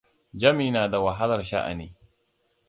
Jami na da wahalar sha'ani.